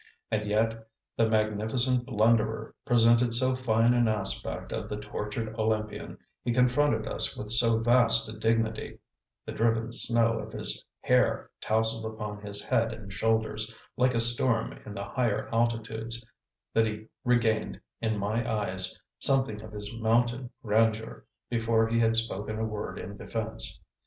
And yet, the magnificent blunderer presented so fine an aspect of the tortured Olympian, he confronted us with so vast a dignity the driven snow of his hair tousled upon his head and shoulders, like a storm in the higher altitudes that he regained, in my eyes, something of his mountain grandeur before he had spoken a word in defence.